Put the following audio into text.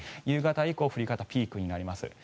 夕方以降降り方ピークになります。